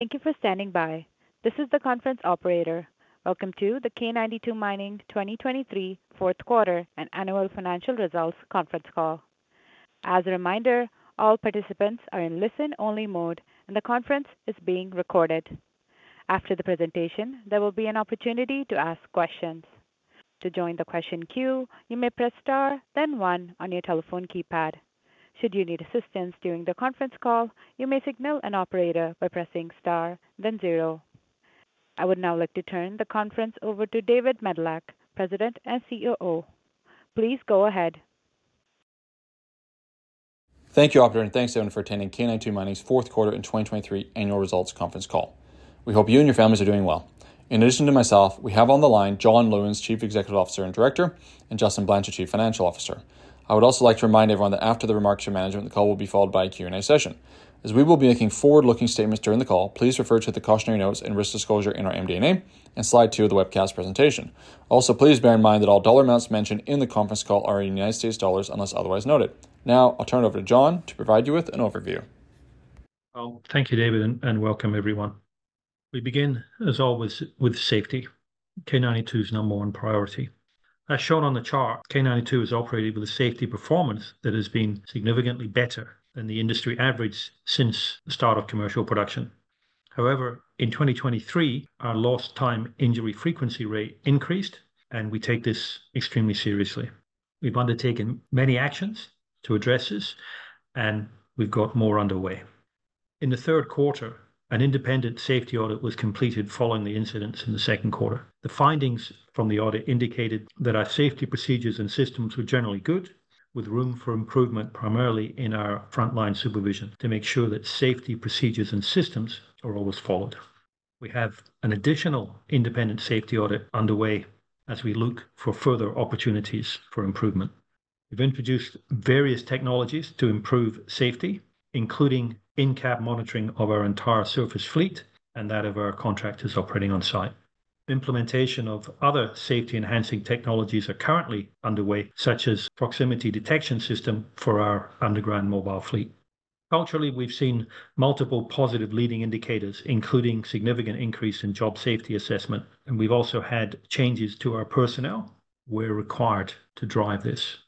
Thank you for standing by. This is the conference operator. Welcome to the K92 Mining 2023 fourth quarter and annual financial results conference call. As a reminder, all participants are in listen-only mode, and the conference is being recorded. After the presentation, there will be an opportunity to ask questions. To join the question queue, you may press star then 1 on your telephone keypad. Should you need assistance during the conference call, you may signal an operator by pressing star then zero. I would now like to turn the conference over to David Medilek, President and COO. Please go ahead. Thank you, Operator, and thanks, everyone, for attending K92 Mining's fourth quarter and 2023 annual results conference call. We hope you and your families are doing well. In addition to myself, we have on the line John Lewins, Chief Executive Officer and Director, and Justin Blanchet, Chief Financial Officer. I would also like to remind everyone that after the remarks from management, the call will be followed by a Q&A session. As we will be making forward-looking statements during the call, please refer to the cautionary notes and risk disclosure in our MD&A and slide two of the webcast presentation. Also, please bear in mind that all dollar amounts mentioned in the conference call are in United States dollars unless otherwise noted. Now, I'll turn it over to John to provide you with an overview. Well, thank you, David, and welcome, everyone. We begin, as always, with safety. K92's number one priority. As shown on the chart, K92 has operated with a safety performance that has been significantly better than the industry average since the start of commercial production. However, in 2023, our lost-time injury frequency rate increased, and we take this extremely seriously. We've undertaken many actions to address this, and we've got more underway. In the third quarter, an independent safety audit was completed following the incidents in the second quarter. The findings from the audit indicated that our safety procedures and systems were generally good, with room for improvement primarily in our frontline supervision to make sure that safety procedures and systems are always followed. We have an additional independent safety audit underway as we look for further opportunities for improvement. We've introduced various technologies to improve safety, including in-cab monitoring of our entire surface fleet and that of our contractors operating on-site. Implementation of other safety-enhancing technologies is currently underway, such as a proximity detection system for our underground mobile fleet. Culturally, we've seen multiple positive leading indicators, including a significant increase in job safety assessment, and we've also had changes to our personnel who are required to drive this.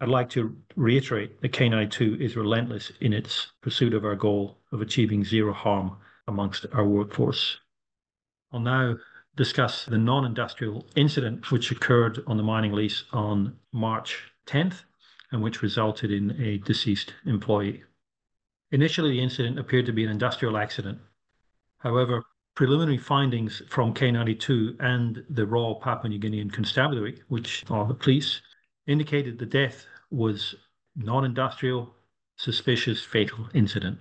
I'd like to reiterate that K92 is relentless in its pursuit of our goal of achieving zero harm amongst our workforce. I'll now discuss the non-industrial incident which occurred on the mining lease on March 10th and which resulted in a deceased employee. Initially, the incident appeared to be an industrial accident. However, preliminary findings from K92 and the Royal Papua New Guinea Constabulary, which are the police, indicated the death was a non-industrial, suspicious fatal incident.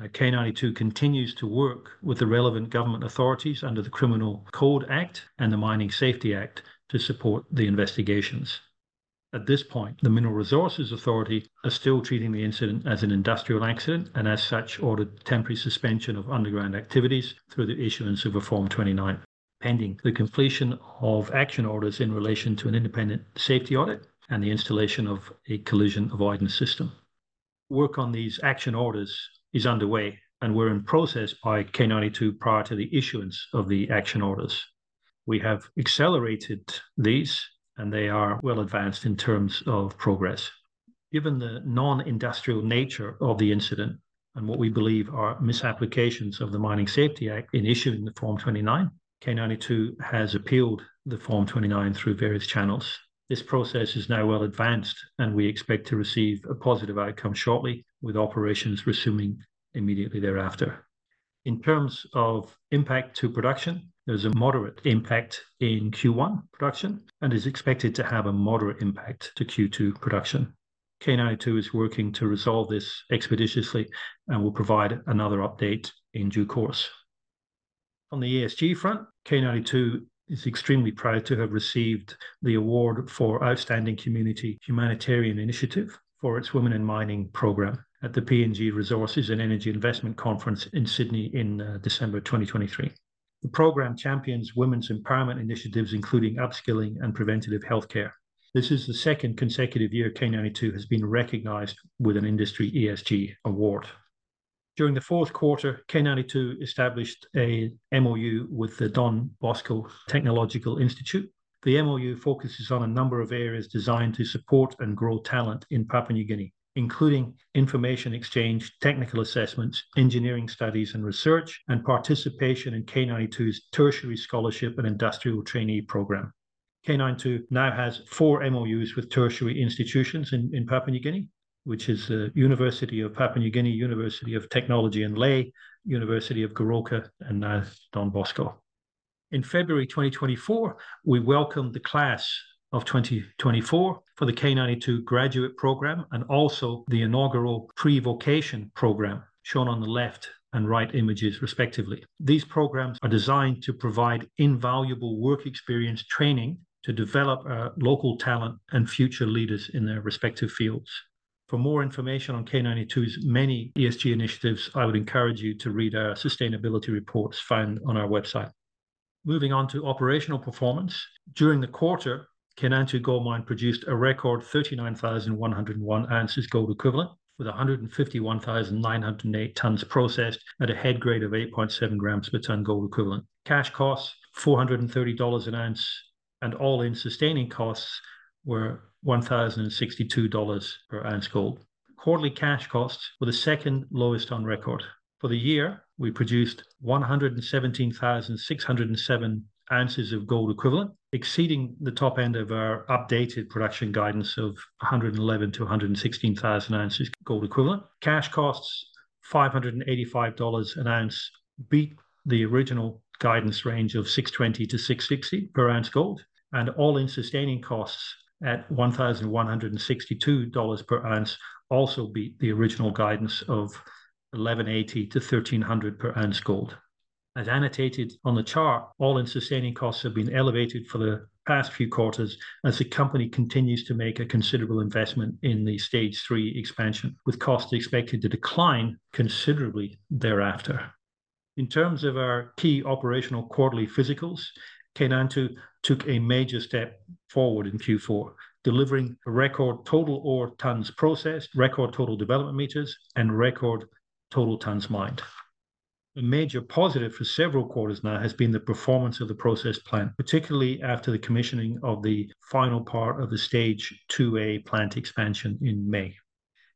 K92 continues to work with the relevant government authorities under the Criminal Code Act and the Mining Safety Act to support the investigations. At this point, the Mineral Resources Authority is still treating the incident as an industrial accident and, as such, ordered temporary suspension of underground activities through the issuance of Form 29, pending the completion of action orders in relation to an independent safety audit and the installation of a collision avoidance system. Work on these action orders is underway, and we're in process by K92 prior to the issuance of the action orders. We have accelerated these, and they are well advanced in terms of progress. Given the non-industrial nature of the incident and what we believe are misapplications of the Mining Safety Act in issuing the Form 29, K92 has appealed the Form 29 through various channels. This process is now well advanced, and we expect to receive a positive outcome shortly, with operations resuming immediately thereafter. In terms of impact to production, there's a moderate impact in Q1 production and is expected to have a moderate impact to Q2 production. K92 is working to resolve this expeditiously and will provide another update in due course. On the ESG front, K92 is extremely proud to have received the award for Outstanding Community Humanitarian Initiative for its Women in Mining program at the PNG Resources and Energy Investment Conference in Sydney in December 2023. The program champions women's empowerment initiatives, including upskilling and preventative healthcare. This is the second consecutive year K92 has been recognized with an industry ESG award. During the fourth quarter, K92 established an MOU with the Don Bosco Technological Institute. The MOU focuses on a number of areas designed to support and grow talent in Papua New Guinea, including information exchange, technical assessments, engineering studies and research, and participation in K92's tertiary scholarship and industrial trainee program. K92 now has four MOUs with tertiary institutions in Papua New Guinea, which is the University of Papua New Guinea, University of Technology in Lae, University of Goroka, and now Don Bosco. In February 2024, we welcomed the Class of 2024 for the K92 Graduate Program and also the inaugural Pre-Vocational Program, shown on the left and right images, respectively. These programs are designed to provide invaluable work experience training to develop local talent and future leaders in their respective fields. For more information on K92's many ESG initiatives, I would encourage you to read our sustainability reports found on our website. Moving on to operational performance, during the quarter, K92 Mining produced a record 39,101 oz gold equivalent with 151,908 tonnes processed at a head grade of 8.7 g/t gold equivalent. Cash costs, $430/oz, and all-in sustaining costs were $1,062 per ounce gold. Quarterly cash costs were the second lowest on record. For the year, we produced 117,607 oz of gold equivalent, exceeding the top end of our updated production guidance of 111,000-116,000 oz gold equivalent. Cash costs, $585 an ounce, beat the original guidance range of $620-$660 per ounce gold, and all-in sustaining costs at $1,162 per ounce also beat the original guidance of $1,180-$1,300 per ounce gold. As annotated on the chart, all-in sustaining costs have been elevated for the past few quarters as the company continues to make a considerable investment in the Stage three Expansion, with costs expected to decline considerably thereafter. In terms of our key operational quarterly physicals, K92 took a major step forward in Q4, delivering record total ore tonnes processed, record total development meters, and record total tonnes mined. A major positive for several quarters now has been the performance of the process plant, particularly after the commissioning of the final part of the Stage 2A Expansion in May.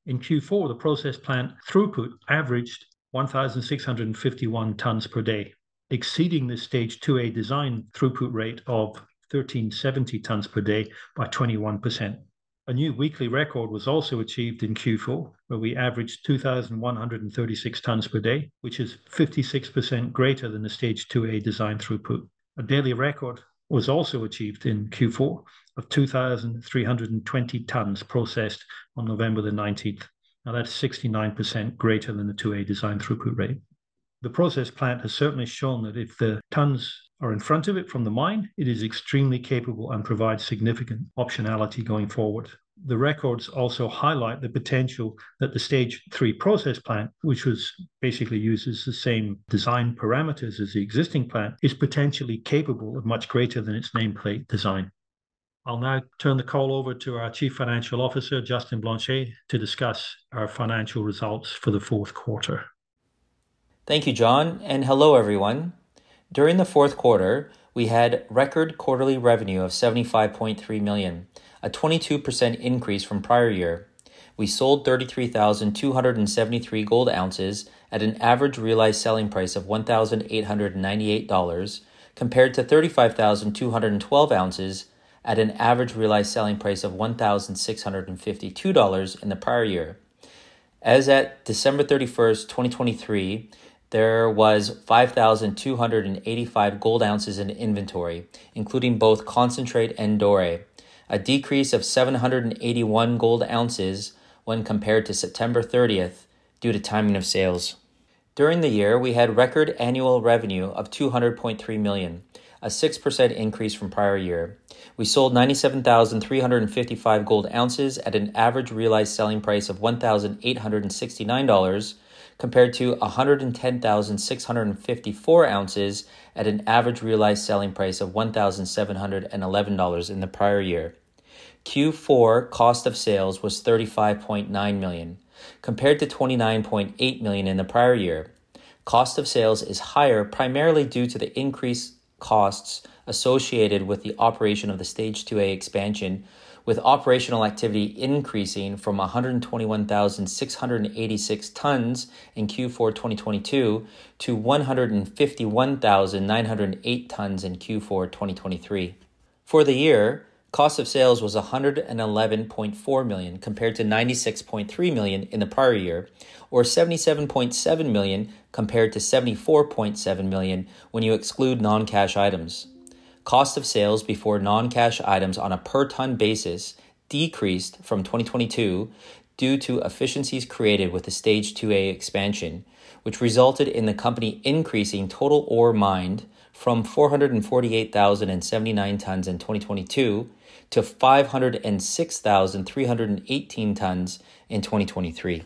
In Q4, the process plant throughput averaged 1,651 tonnes per day, exceeding the Stage 2A design throughput rate of 1,370 tonnes per day by 21%. A new weekly record was also achieved in Q4, where we averaged 2,136 tonnes per day, which is 56% greater than the Stage 2A design throughput. A daily record was also achieved in Q4 of 2,320 tonnes processed on November 19th. Now, that's 69% greater than the 2A design throughput rate. The process plant has certainly shown that if the tonnes are in front of it from the mine, it is extremely capable and provides significant optionality going forward. The records also highlight the potential that the Stage three process plant, which basically uses the same design parameters as the existing plant, is potentially capable of much greater than its nameplate design. I'll now turn the call over to our Chief Financial Officer, Justin Blanchet, to discuss our financial results for the fourth quarter. Thank you, John, and hello, everyone. During the fourth quarter, we had record quarterly revenue of $75.3 million, a 22% increase from prior year. We sold 33,273 gold oz at an average realized selling price of $1,898, compared to 35,212 oz at an average realized selling price of $1,652 in the prior year. As at December 31st, 2023, there was 5,285 gold oz in inventory, including both concentrate and doré, a decrease of 781 gold oz when compared to September 30th due to timing of sales. During the year, we had record annual revenue of $200.3 million, a 6% increase from prior year. We sold 97,355 gold oz at an average realized selling price of $1,869, compared to 110,654 oz at an average realized selling price of $1,711 in the prior year. Q4 cost of sales was $35.9 million, compared to $29.8 million in the prior year. Cost of sales is higher primarily due to the increased costs associated with the operation of the Stage 2A Expansion, with operational activity increasing from 121,686 tonnes in Q4 2022 to 151,908 tonnes in Q4 2023. For the year, cost of sales was $111.4 million, compared to $96.3 million in the prior year, or $77.7 million compared to $74.7 million when you exclude non-cash items. Cost of sales before non-cash items on a per-ton basis decreased from 2022 due to efficiencies created with the Stage 2A Expansion, which resulted in the company increasing total ore mined from 448,079 tonnes in 2022 to 506,318 tonnes in 2023.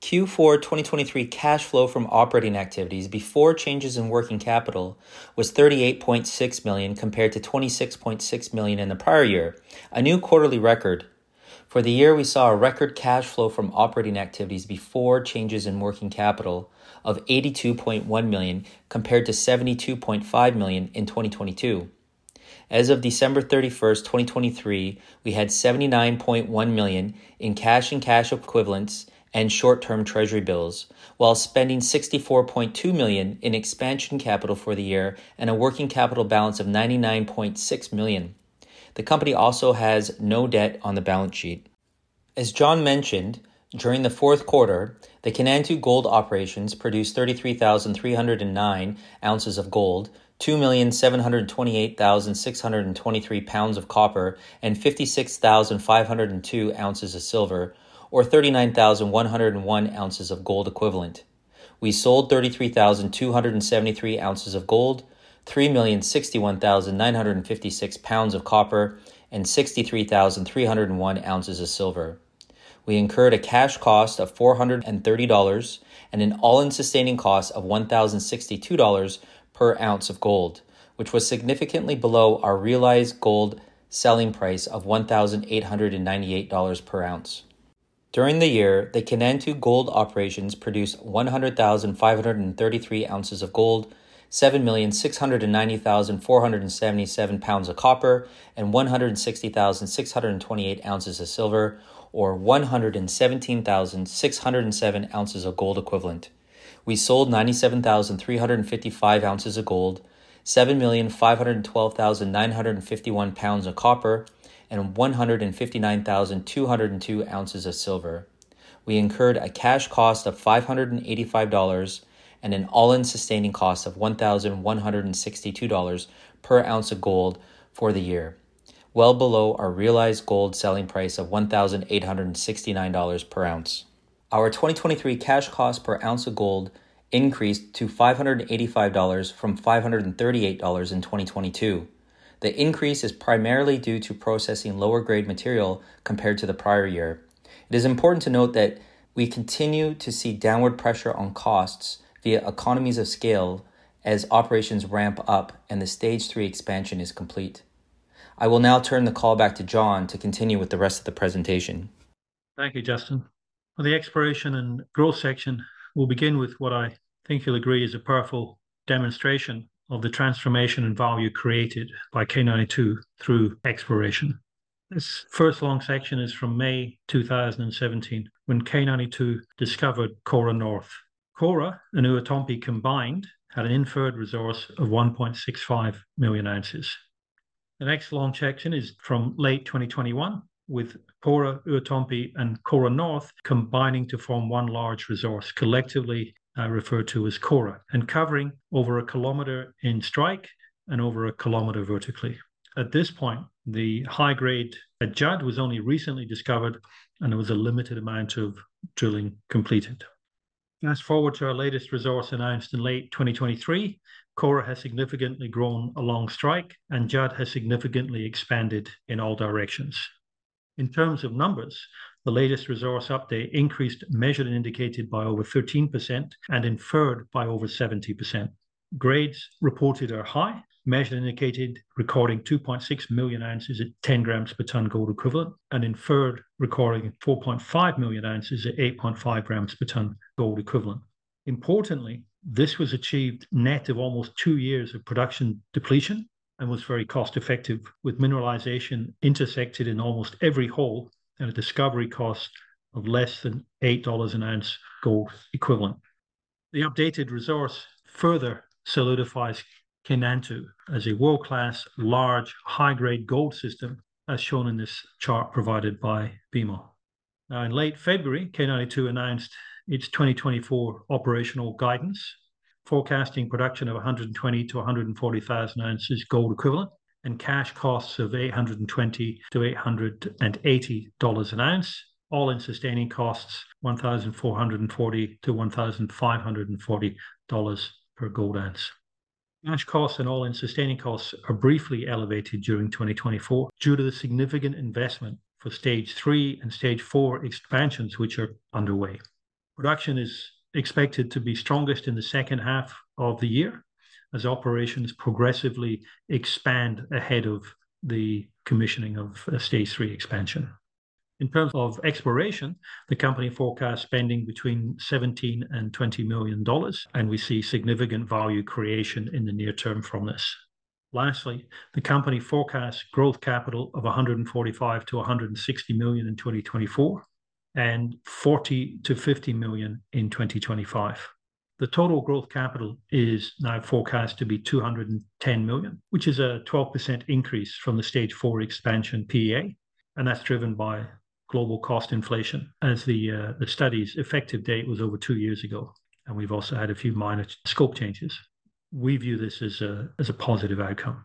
Q4 2023 cash flow from operating activities before changes in working capital was $38.6 million compared to $26.6 million in the prior year, a new quarterly record. For the year, we saw a record cash flow from operating activities before changes in working capital of $82.1 million compared to $72.5 million in 2022. As of December 31st, 2023, we had $79.1 million in cash and cash equivalents and short-term Treasury bills, while spending $64.2 million in expansion capital for the year and a working capital balance of $99.6 million. The company also has no debt on the balance sheet. As John mentioned, during the fourth quarter, the K92 Gold operations produced 33,309 oz of gold, 2,728,623 pounds of copper, and 56,502 oz of silver, or 39,101 oz of gold equivalent. We sold 33,273 oz of gold, 3,061,956 pounds of copper, and 63,301 oz of silver. We incurred a cash cost of $430 and an all-in sustaining cost of $1,062 per ounce of gold, which was significantly below our realized gold selling price of $1,898 per ounce of gold. During the year, the K92 Gold operations produced 100,533 oz of gold, 7,690,477 pounds of copper, and 160,628 oz of silver, or 117,607 oz of gold equivalent. We sold 97,355 oz of gold, 7,512,951 pounds of copper, and 159,202 oz of silver. We incurred a cash cost of $585 and an all-in sustaining cost of $1,162 per ounce of gold for the year, well below our realized gold selling price of $1,869/oz. Our 2023 cash cost per ounce of gold increased to $585 from $538 in 2022. The increase is primarily due to processing lower-grade material compared to the prior year. It is important to note that we continue to see downward pressure on costs via economies of scale as operations ramp up and the stage three expansion is complete. I will now turn the call back to John to continue with the rest of the presentation. Thank you, Justin. For the exploration and growth section, we'll begin with what I think you'll agree is a powerful demonstration of the transformation and value created by K92 through exploration. This first long section is from May 2017, when K92 discovered Kora North. Kora and Irumafimpa combined had an inferred resource of 1.65 million oz. The next long section is from late 2021, with Kora, Irumafimpa, and Kora North combining to form one large resource collectively referred to as Kora, and covering over a kilometer in strike and over a kilometer vertically. At this point, the high-grade Judd was only recently discovered, and there was a limited amount of drilling completed. Fast forward to our latest resource announced in late 2023. Kora has significantly grown along strike, and Judd has significantly expanded in all directions. In terms of numbers, the latest resource update increased measured and indicated by over 13% and inferred by over 70%. Grades reported are high, measured and indicated recording 2.6 million oz at 10 g/t gold equivalent, and inferred recording 4.5 million oz at 8.5 g/t gold equivalent. Importantly, this was achieved net of almost two years of production depletion and was very cost-effective, with mineralization intersected in almost every hole and a discovery cost of less than $8 an ounce gold equivalent. The updated resource further solidifies K92 as a world-class, large, high-grade gold system, as shown in this chart provided by BMO. Now, in late February, K92 announced its 2024 operational guidance, forecasting production of 120,000-140,000 oz gold equivalent and cash costs of $820-$880 an ounce, all-in sustaining costs $1,440-$1,540 per gold ounce. Cash costs and all-in sustaining costs are briefly elevated during 2024 due to the significant investment for Stage three and Stage four expansions, which are underway. Production is expected to be strongest in the second half of the year as operations progressively expand ahead of the commissioning of a Stage three expansion. In terms of exploration, the company forecasts spending between $17-$20 million, and we see significant value creation in the near term from this. Lastly, the company forecasts growth capital of $145-$160 million in 2024 and $40-$50 million in 2025. The total growth capital is now forecast to be $210 million, which is a 12% increase from the Stage four expansion PEA, and that's driven by global cost inflation, as the study's effective date was over two years ago, and we've also had a few minor scope changes. We view this as a positive outcome.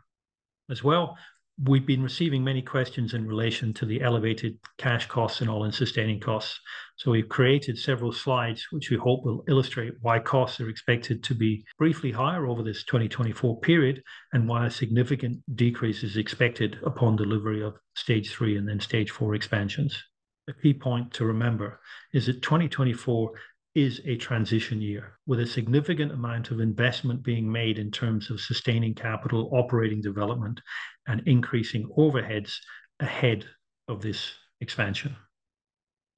As well, we've been receiving many questions in relation to the elevated cash costs and all-in sustaining costs. So we've created several slides, which we hope will illustrate why costs are expected to be briefly higher over this 2024 period and why a significant decrease is expected upon delivery of Stage three and then Stage four expansions. A key point to remember is that 2024 is a transition year, with a significant amount of investment being made in terms of sustaining capital, operating development, and increasing overheads ahead of this expansion.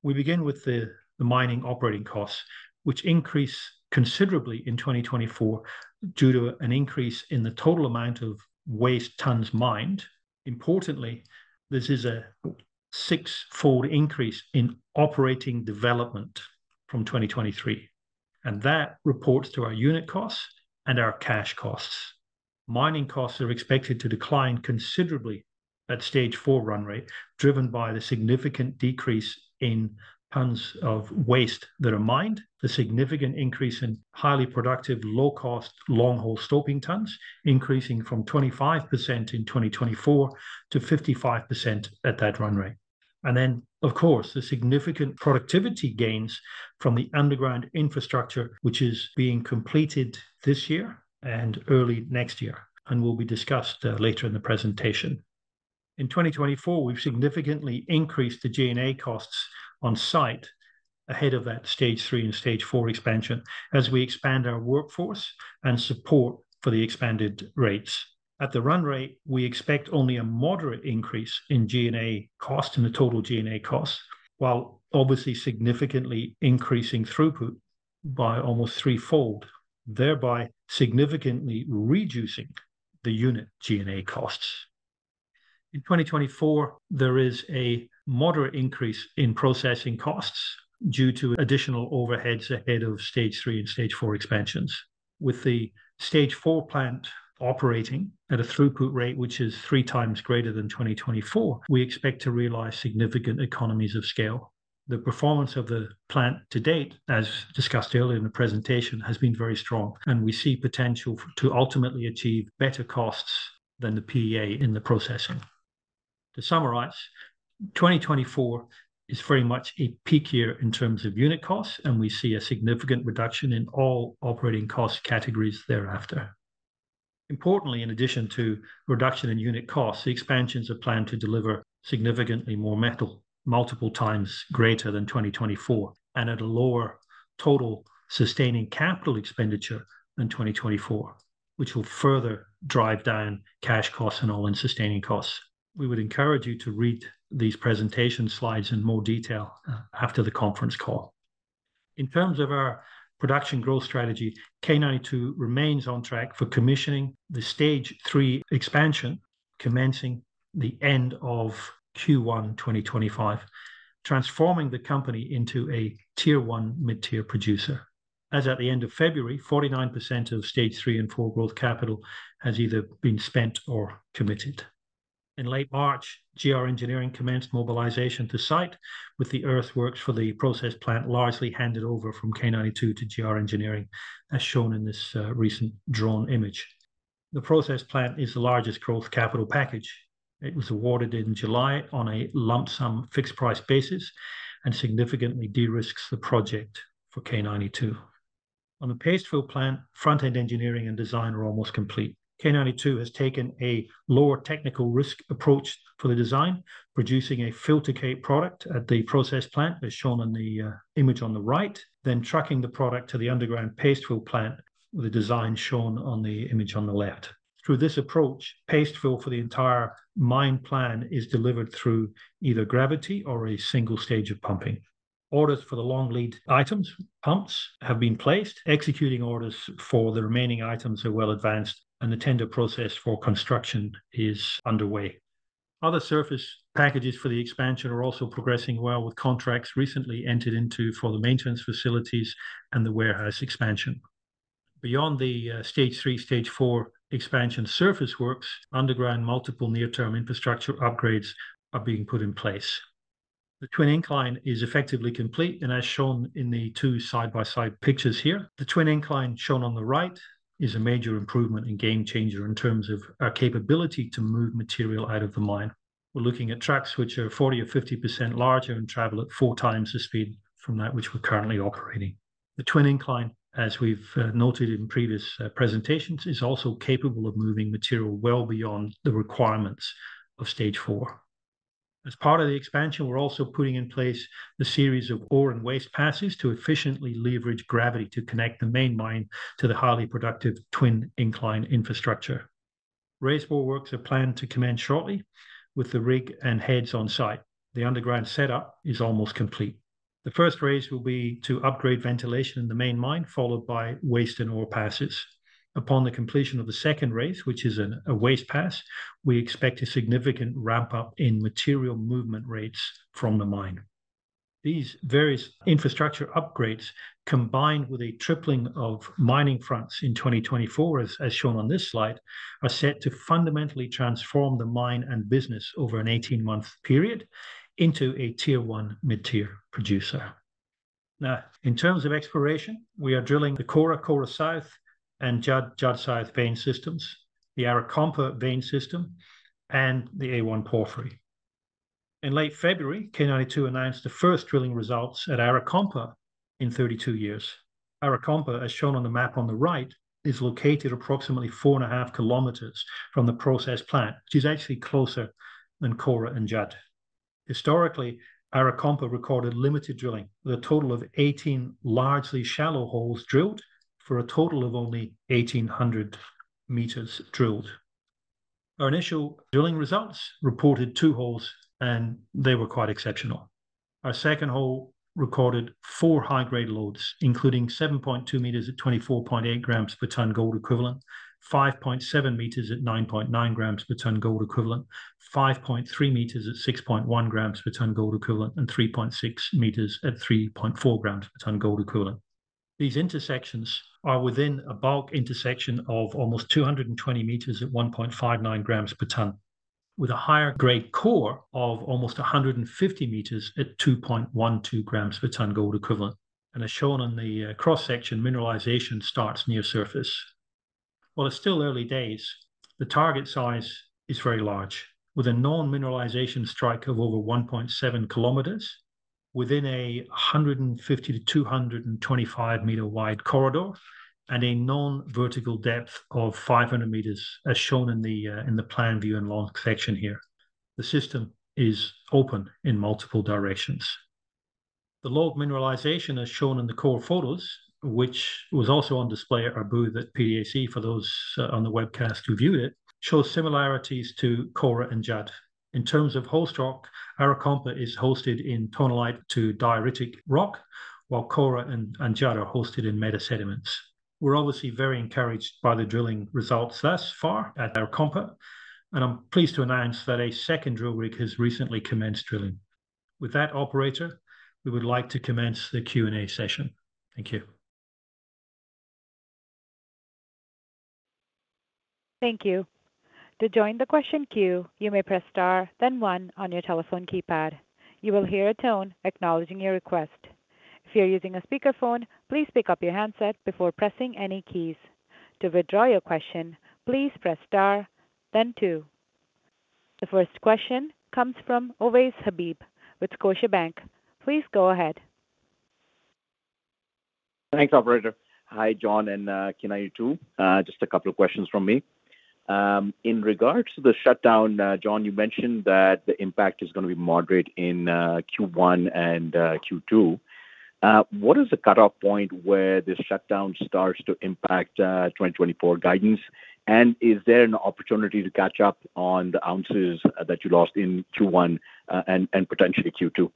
We begin with the mining operating costs, which increase considerably in 2024 due to an increase in the total amount of waste tonnes mined. Importantly, this is a six-fold increase in operating development from 2023, and that reports to our unit costs and our cash costs. Mining costs are expected to decline considerably at Stage four run rate, driven by the significant decrease in tonnes of waste that are mined, the significant increase in highly productive, low-cost, long-hole stoping tonnes, increasing from 25% in 2024 to 55% at that run rate. And then, of course, the significant productivity gains from the underground infrastructure, which is being completed this year and early next year and will be discussed later in the presentation. In 2024, we've significantly increased the G&A costs on site ahead of that Stage three and Stage four expansion, as we expand our workforce and support for the expanded rates. At the run rate, we expect only a moderate increase in G&A cost in the total G&A costs, while obviously significantly increasing throughput by almost threefold, thereby significantly reducing the unit G&A costs. In 2024, there is a moderate increase in processing costs due to additional overheads ahead of Stage three and Stage four expansions. With the Stage four plant operating at a throughput rate which is three times greater than 2024, we expect to realize significant economies of scale. The performance of the plant to date, as discussed earlier in the presentation, has been very strong, and we see potential to ultimately achieve better costs than the PEA in the processing. To summarize, 2024 is very much a peak year in terms of unit costs, and we see a significant reduction in all operating cost categories thereafter. Importantly, in addition to reduction in unit costs, the expansions are planned to deliver significantly more metal, multiple times greater than 2024, and at a lower total sustaining capital expenditure than 2024, which will further drive down cash costs and all-in sustaining costs. We would encourage you to read these presentation slides in more detail after the conference call. In terms of our production growth strategy, K92 remains on track for commissioning the Stage three Expansion, commencing the end of Q1 2025, transforming the company into a tier 1 mid-tier producer. As at the end of February, 49% of Stage three and four growth capital has either been spent or committed. In late March, GR Engineering commenced mobilization to site, with the earthworks for the process plant largely handed over from K92 to GR Engineering, as shown in this recent drone image. The process plant is the largest growth capital package. It was awarded in July on a lump-sum fixed-price basis and significantly de-risks the project for K92. On the Paste Fill Plant, front-end engineering and design are almost complete. K92 has taken a lower technical risk approach for the design, producing a filter cake product at the process plant, as shown in the image on the right, then trucking the product to the underground Paste Fill Plant with the design shown on the image on the left. Through this approach, paste fill for the entire mined plan is delivered through either gravity or a single stage of pumping. Orders for the long lead items, pumps, have been placed. Executing orders for the remaining items are well advanced, and the tender process for construction is underway. Other surface packages for the expansion are also progressing well, with contracts recently entered into for the maintenance facilities and the warehouse expansion. Beyond the Stage three, Stage four expansion surface works, underground multiple near-term infrastructure upgrades are being put in place. The Twin Incline is effectively complete, and as shown in the two side-by-side pictures here, the Twin Incline shown on the right is a major improvement and game changer in terms of our capability to move material out of the mine. We're looking at tracks which are 40% or 50% larger and travel at four times the speed from that which we're currently operating. The Twin Incline, as we've noted in previous presentations, is also capable of moving material well beyond the requirements of Stage four. As part of the expansion, we're also putting in place a series of ore and waste passes to efficiently leverage gravity to connect the main mine to the highly productive Twin Incline infrastructure. Raisebore works are planned to commence shortly, with the rig and heads on site. The underground setup is almost complete. The first raise will be to upgrade ventilation in the main mine, followed by waste and ore passes. Upon the completion of the second raise, which is a waste pass, we expect a significant ramp-up in material movement rates from the mine. These various infrastructure upgrades, combined with a tripling of mining fronts in 2024, as shown on this slide, are set to fundamentally transform the mine and business over an 18-month period into a tier 1 mid-tier producer. Now, in terms of exploration, we are drilling the Kora South and Judd South vein systems, the Arakompa vein system, and the A1 Porphyry. In late February, K92 announced the first drilling results at Arakompa in 32 years. Arakompa, as shown on the map on the right, is located approximately 4.5 kilometers from the process plant, which is actually closer than Kora and Judd. Historically, Arakompa recorded limited drilling, with a total of 18 largely shallow holes drilled for a total of only 1,800 meters drilled. Our initial drilling results reported two holes, and they were quite exceptional. Our second hole recorded four high-grade lodes, including 7.2 meters at 24.8 g/t gold equivalent, 5.7 meters at 9.9 g/t gold equivalent, 5.3 meters at 6.1 g/t gold equivalent, and 3.6 meters at 3.4 g/t gold equivalent. These intersections are within a bulk intersection of almost 220 meters at 1.59 g/t, with a higher grade core of almost 150 meters at 2.12 g/t gold equivalent. As shown on the cross-section, mineralization starts near surface. While it's still early days, the target size is very large, with a known mineralization strike of over 1.7 kilometers within a 150-225-meter wide corridor and a known vertical depth of 500 meters, as shown in the plan view and long section here. The system is open in multiple directions. The lode mineralization, as shown in the core photos, which was also on display at our booth at PDAC, for those on the webcast who viewed it, shows similarities to Kora and Judd. In terms of host rock, Arakompa is hosted in tonalite to dioritic rock, while Kora and Judd are hosted in metasediments. We're obviously very encouraged by the drilling results thus far at Arakompa, and I'm pleased to announce that a second drill rig has recently commenced drilling. With that, operator, we would like to commence the Q&A session. Thank you. Thank you. To join the question queue, you may press star, then one, on your telephone keypad. You will hear a tone acknowledging your request. If you're using a speakerphone, please pick up your handset before pressing any keys. To withdraw your question, please press star, then two. The first question comes from Ovais Habib with Scotiabank. Please go ahead. Thanks, operator. Hi, John, and K92. Just a couple of questions from me. In regards to the shutdown, John, you mentioned that the impact is going to be moderate in Q1 and Q2. What is the cutoff point where this shutdown starts to impact 2024 guidance, and is there an opportunity to catch up on the ounces that you lost in Q1 and potentially Q2?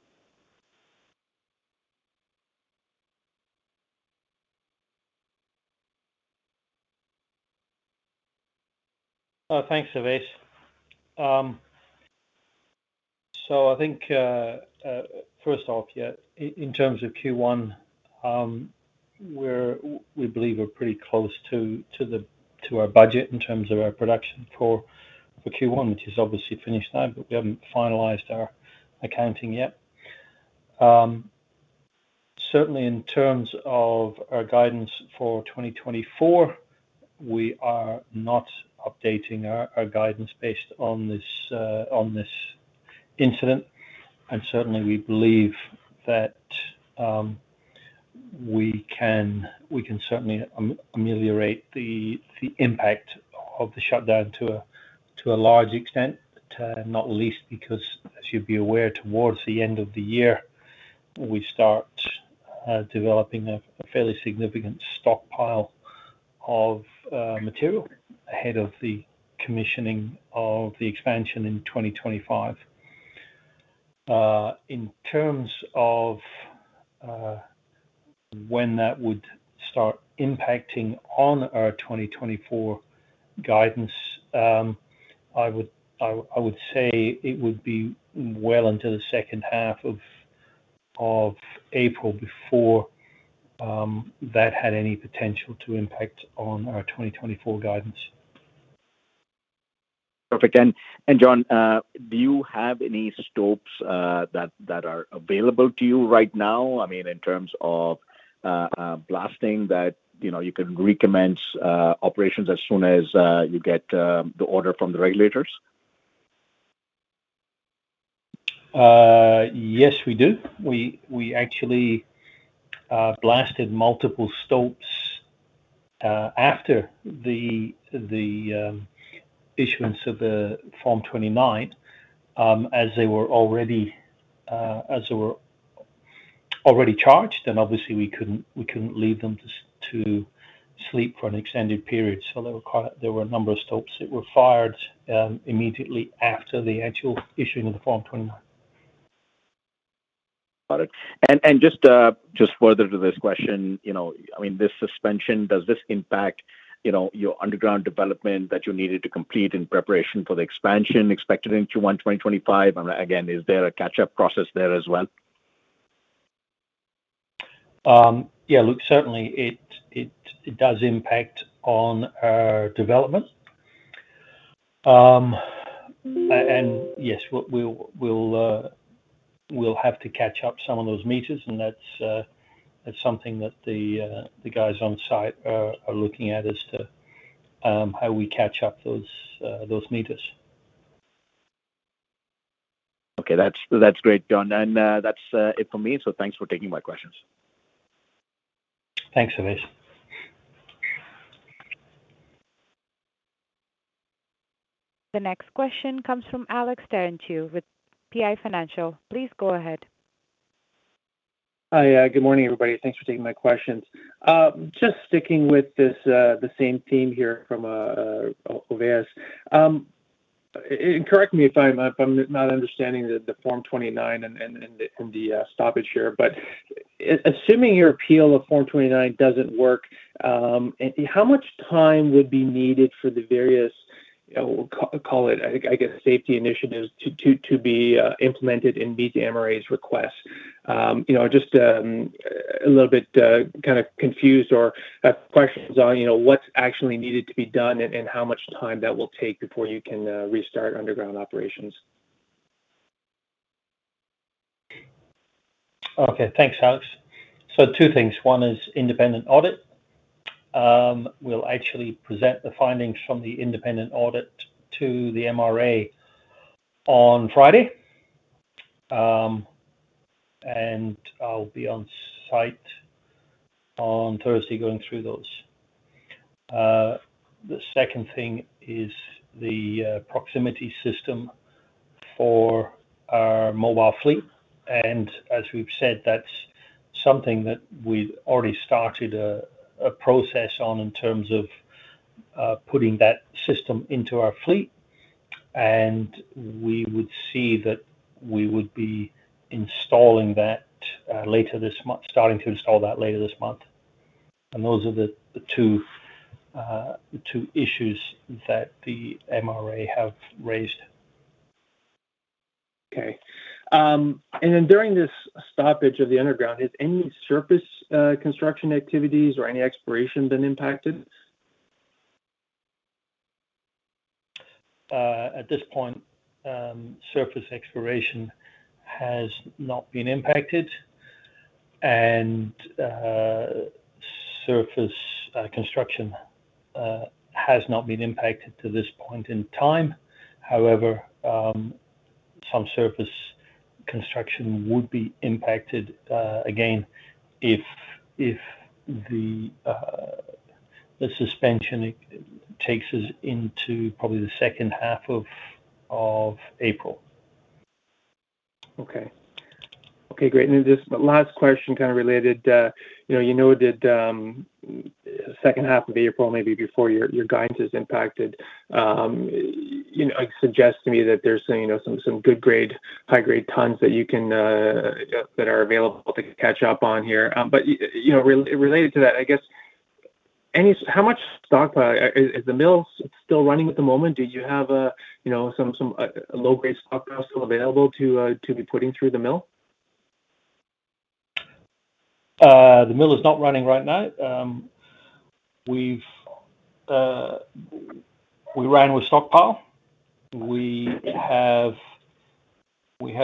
Thanks, Ovais. So I think, first off, yeah, in terms of Q1, we believe we're pretty close to our budget in terms of our production for Q1, which is obviously finished now, but we haven't finalized our accounting yet. Certainly, in terms of our guidance for 2024, we are not updating our guidance based on this incident. Certainly, we believe that we can certainly ameliorate the impact of the shutdown to a large extent, not least because, as you'll be aware, towards the end of the year, we start developing a fairly significant stockpile of material ahead of the commissioning of the expansion in 2025. In terms of when that would start impacting on our 2024 guidance, I would say it would be well into the second half of April before that had any potential to impact on our 2024 guidance. Perfect. John, do you have any scopes that are available to you right now, I mean, in terms of blasting that you can recommence operations as soon as you get the order from the regulators? Yes, we do. We actually blasted multiple stopes after the issuance of the Form 29 as they were already charged, and obviously, we couldn't leave them to sleep for an extended period. So there were a number of stopes that were fired immediately after the actual issuing of the Form 29. Got it. Just further to this question, I mean, this suspension, does this impact your underground development that you needed to complete in preparation for the expansion expected in Q1 2025? Again, is there a catch-up process there as well? Yeah, look, certainly, it does impact on our development. And yes, we'll have to catch up some of those meters, and that's something that the guys on site are looking at as to how we catch up those meters. Okay. That's great, John. That's it for me. Thanks for taking my questions. Thanks, Ovais. The next question comes from Alex Terentiew with PI Financial. Please go ahead. Hi. Good morning, everybody. Thanks for taking my questions. Just sticking with the same theme here from Ovais. Correct me if I'm not understanding the Form 29 and the stoppage here, but assuming your appeal of Form 29 doesn't work, how much time would be needed for the various, call it, I guess, safety initiatives to be implemented and meet the MRA's request? Just a little bit kind of confused or have questions on what's actually needed to be done and how much time that will take before you can restart underground operations? Okay. Thanks, Alex. So two things. One is independent audit. We'll actually present the findings from the independent audit to the MRA on Friday, and I'll be on site on Thursday going through those. The second thing is the proximity system for our mobile fleet. And as we've said, that's something that we've already started a process on in terms of putting that system into our fleet, and we would see that we would be installing that later this month, starting to install that later this month. And those are the two issues that the MRA have raised. Okay. During this stoppage of the underground, has any surface construction activities or any exploration been impacted? At this point, surface exploration has not been impacted, and surface construction has not been impacted to this point in time. However, some surface construction would be impacted again if the suspension takes us into probably the second half of April. Okay. Okay, great. And then just the last question kind of related. You know that the second half of April, maybe before your guidance is impacted, suggests to me that there's some good-grade, high-grade tonnes that are available to catch up on here. But related to that, I guess, how much stockpile is the mill still running at the moment? Do you have some low-grade stockpile still available to be putting through the mill? The mill is not running right now. We ran with stockpile. We had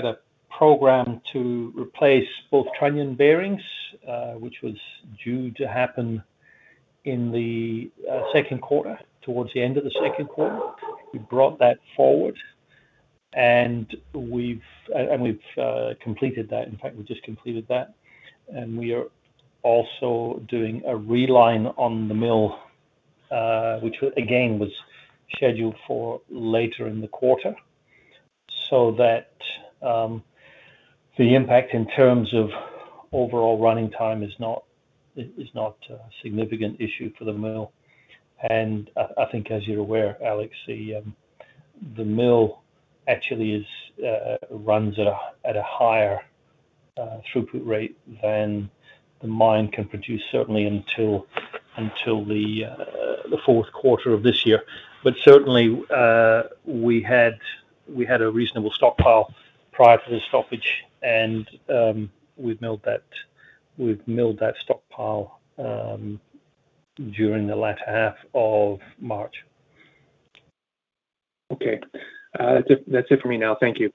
a program to replace both trunnion bearings, which was due to happen in the second quarter, towards the end of the second quarter. We brought that forward, and we've completed that. In fact, we just completed that. And we are also doing a reline on the mill, which, again, was scheduled for later in the quarter so that the impact in terms of overall running time is not a significant issue for the mill. And I think, as you're aware, Alex, the mill actually runs at a higher throughput rate than the mine can produce, certainly until the fourth quarter of this year. But certainly, we had a reasonable stockpile prior to the stoppage, and we've milled that stockpile during the latter half of March. Okay. That's it for me now. Thank you.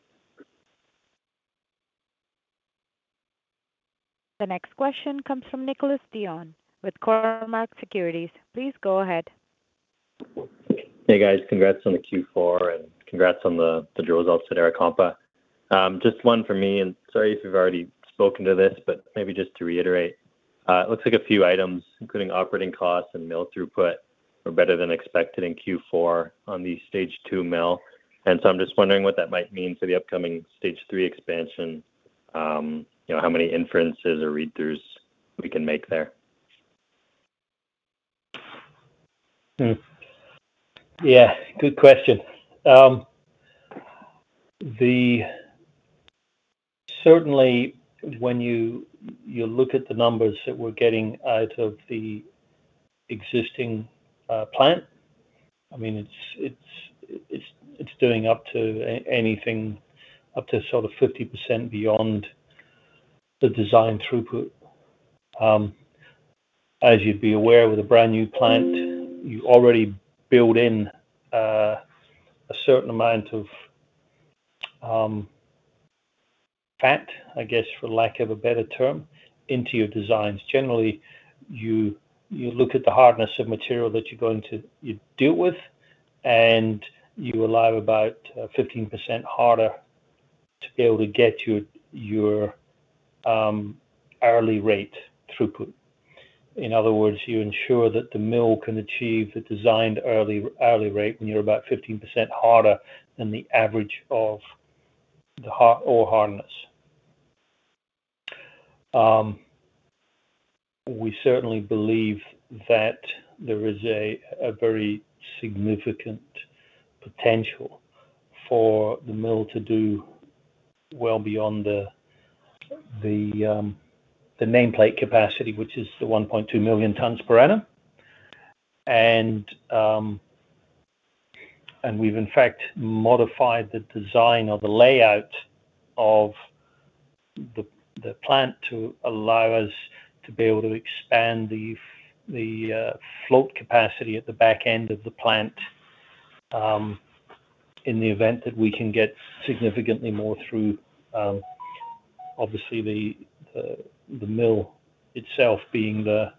The next question comes from Nicolas Dion with Cormark Securities. Please go ahead. Hey, guys. Congrats on the Q4, and congrats on the drill results at Arakompa. Just one for me, and sorry if you've already spoken to this, but maybe just to reiterate, it looks like a few items, including operating costs and mill throughput, were better than expected in Q4 on the stage two mill. And so I'm just wondering what that might mean for the upcoming stage three expansion, how many inferences or read-throughs we can make there. Yeah. Good question. Certainly, when you look at the numbers that we're getting out of the existing plant, I mean, it's doing up to anything up to sort of 50% beyond the design throughput. As you'd be aware, with a brand new plant, you already build in a certain amount of fat, I guess, for lack of a better term, into your designs. Generally, you look at the hardness of material that you're going to deal with, and you arrive about 15% harder to be able to get your hourly rate throughput. In other words, you ensure that the mill can achieve the designed early rate when you're about 15% harder than the average of the ore hardness. We certainly believe that there is a very significant potential for the mill to do well beyond the nameplate capacity, which is the 1.2 million tonnes per annum. And we've, in fact, modified the design or the layout of the plant to allow us to be able to expand the float capacity at the back end of the plant in the event that we can get significantly more through, obviously, the mill itself being the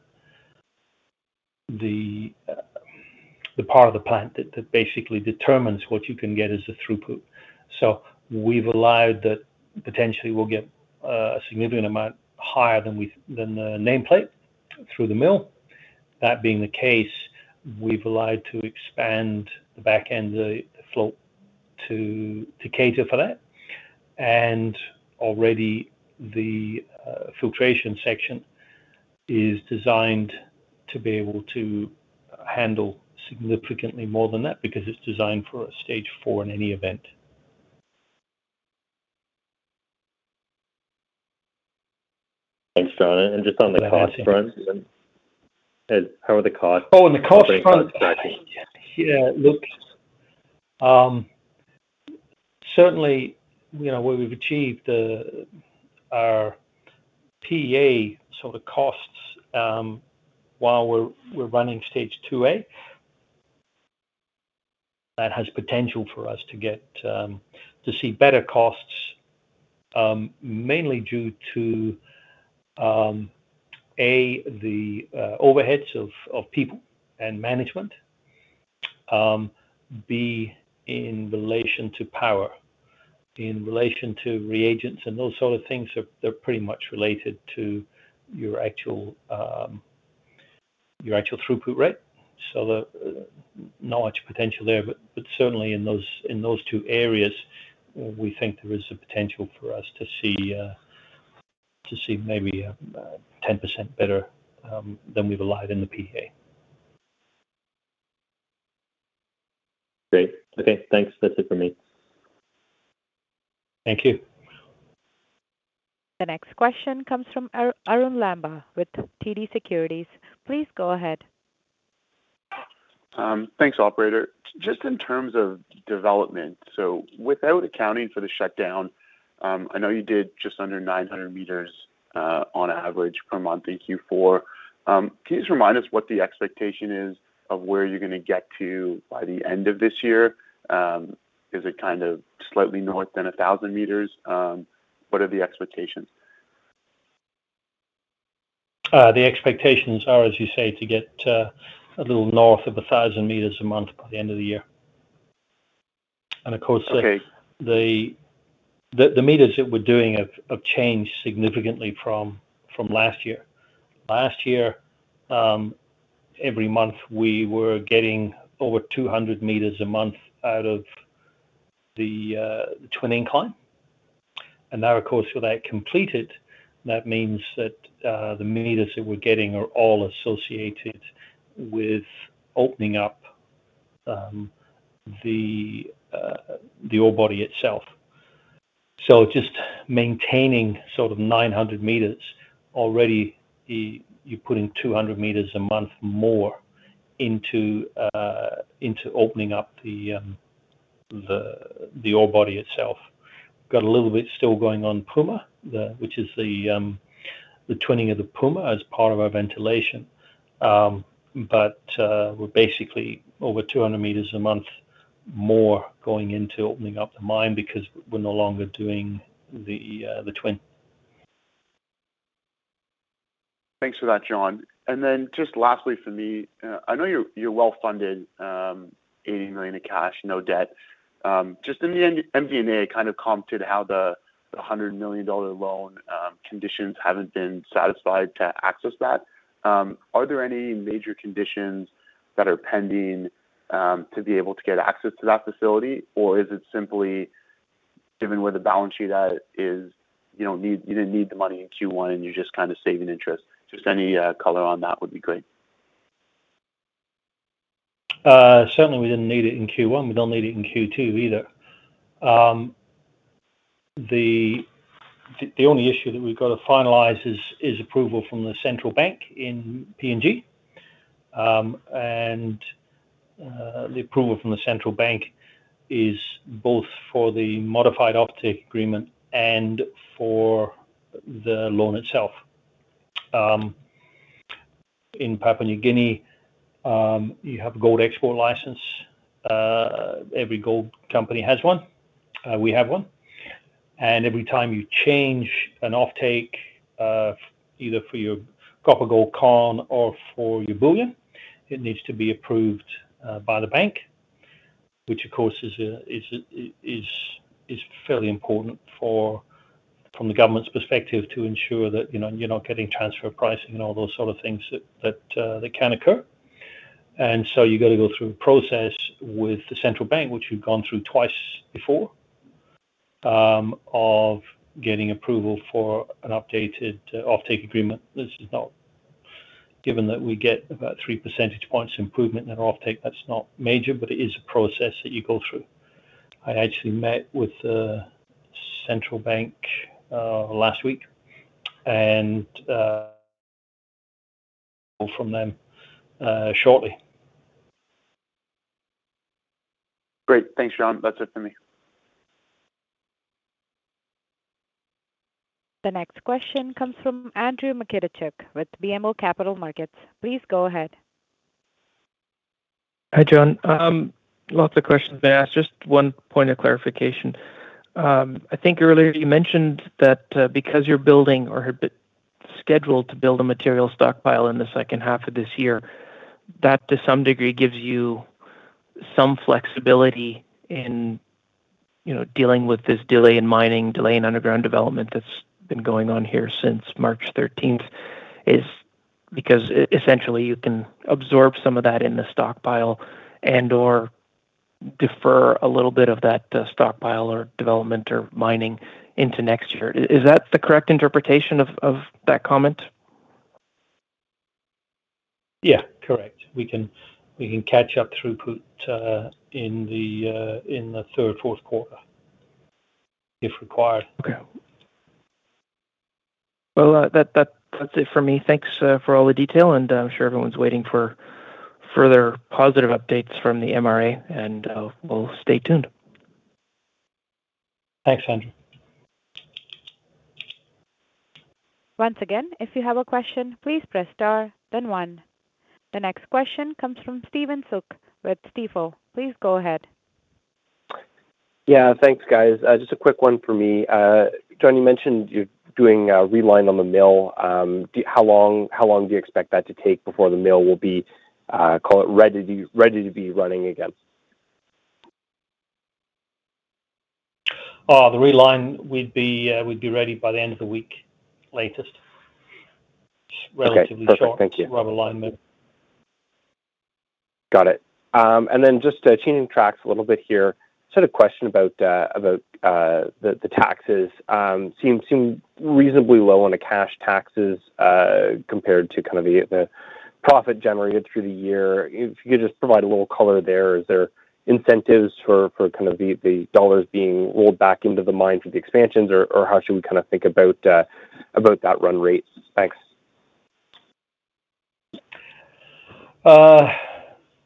part of the plant that basically determines what you can get as a throughput. So we've allowed that potentially we'll get a significant amount higher than the nameplate through the mill. That being the case, we've allowed to expand the back end, the float, to cater for that. And already, the filtration section is designed to be able to handle significantly more than that because it's designed for a stage four in any event. Thanks, John. Just on the cost front, how are the costs operating and extracting? Oh, and the cost front, yeah, look, certainly, where we've achieved our PEA sort of costs while we're running Stage 2A, that has potential for us to see better costs, mainly due to, A, the overheads of people and management, B, in relation to power, in relation to reagents, and those sort of things, they're pretty much related to your actual throughput rate. So not much potential there, but certainly, in those two areas, we think there is a potential for us to see maybe 10% better than we've allowed in the PEA. Great. Okay. Thanks. That's it for me. Thank you. The next question comes from Arun Lamba with TD Securities. Please go ahead. Thanks, operator. Just in terms of development, so without accounting for the shutdown, I know you did just under 900 meters on average per month in Q4. Can you just remind us what the expectation is of where you're going to get to by the end of this year? Is it kind of slightly north than 1,000 meters? What are the expectations? The expectations are, as you say, to get a little north of 1,000 meters a month by the end of the year. Of course, the meters that we're doing have changed significantly from last year. Last year, every month, we were getting over 200 meters a month out of the Twin Incline. Now, of course, with that completed, that means that the meters that we're getting are all associated with opening up the ore body itself. Just maintaining sort of 900 meters, already, you're putting 200 meters a month more into opening up the ore body itself. We've got a little bit still going on Puma, which is the twinning of the Puma as part of our ventilation. We're basically over 200 meters a month more going into opening up the mine because we're no longer doing the twin. Thanks for that, John. And then just lastly for me, I know you're well-funded, $80 million of cash, no debt. Just in the end, MD&A kind of commented how the $100 million loan conditions haven't been satisfied to access that. Are there any major conditions that are pending to be able to get access to that facility, or is it simply given where the balance sheet at is, you didn't need the money in Q1, and you're just kind of saving interest? Just any color on that would be great. Certainly, we didn't need it in Q1. We don't need it in Q2 either. The only issue that we've got to finalize is approval from the central bank in PNG. The approval from the central bank is both for the modified offtake agreement and for the loan itself. In Papua New Guinea, you have a gold export license. Every gold company has one. We have one. Every time you change an offtake, either for your copper gold con or for your bullion, it needs to be approved by the bank, which, of course, is fairly important from the government's perspective to ensure that you're not getting transfer pricing and all those sort of things that can occur. So you've got to go through a process with the central bank, which you've gone through twice before, of getting approval for an updated offtake agreement. Given that we get about 3 percentage points improvement in that offtake, that's not major, but it is a process that you go through. I actually met with the central bank last week and will call from them shortly. Great. Thanks, John. That's it for me. The next question comes from Andrew Mikitchook with BMO Capital Markets. Please go ahead. Hi, John. Lots of questions been asked. Just one point of clarification. I think earlier you mentioned that because you're building or had scheduled to build a material stockpile in the second half of this year, that to some degree gives you some flexibility in dealing with this delay in mining, delay in underground development that's been going on here since March 13th, because essentially, you can absorb some of that in the stockpile and/or defer a little bit of that stockpile or development or mining into next year. Is that the correct interpretation of that comment? Yeah, correct. We can catch up throughput in the third, fourth quarter if required. Okay. Well, that's it for me. Thanks for all the detail, and I'm sure everyone's waiting for further positive updates from the MRA, and we'll stay tuned. Thanks, Andrew. Once again, if you have a question, please press star, then one. The next question comes from Stephen Soock with Stifel. Please go ahead. Yeah. Thanks, guys. Just a quick one for me. John, you mentioned you're doing a reline on the mill. How long do you expect that to take before the mill will be, call it, ready to be running again? The reline, we'd be ready by the end of the week latest, relatively short rubber-lined mill. Got it. And then just changing tracks a little bit here, I just had a question about the taxes. Seem reasonably low on the cash taxes compared to kind of the profit generated through the year. If you could just provide a little color there. Is there incentives for kind of the dollars being rolled back into the mine for the expansions, or how should we kind of think about that run rate? Thanks.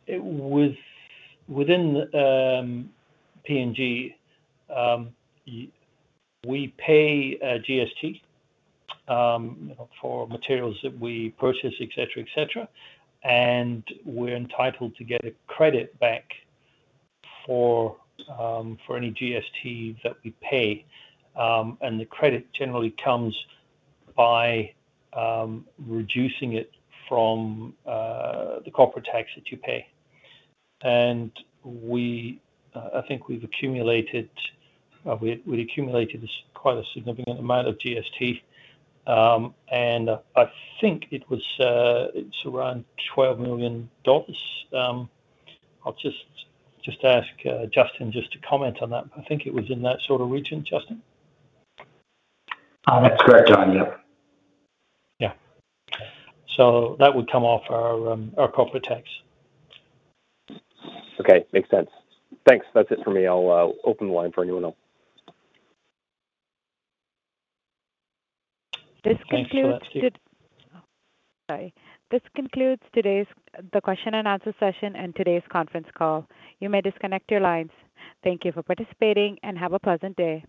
Within PNG, we pay GST for materials that we purchase, etc., etc., and we're entitled to get a credit back for any GST that we pay. And the credit generally comes by reducing it from the corporate tax that you pay. And I think we've accumulated quite a significant amount of GST, and I think it was around $12 million. I'll just ask Justin just to comment on that. I think it was in that sort of region, Justin. That's correct, John. Yep. Yeah. So that would come off our corporate tax. Okay. Makes sense. Thanks. That's it for me. I'll open the line for anyone else. This concludes today's question and answer session and today's conference call. You may disconnect your lines. Thank you for participating, and have a pleasant day.